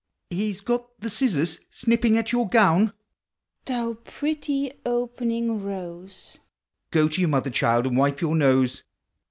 I He 's got the scissors, snipping at your gown !) Thou pretty owning rose! (do to your mother, child, and wij>e your nose!)